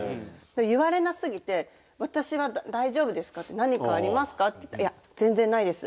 言われなすぎて「私は大丈夫ですか？」って「何かありますか？」って言ったら「いや全然ないです。